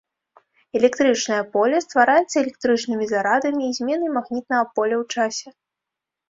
Электрычнае поле ствараецца электрычнымі зарадамі і зменай магнітнага поля ў часе.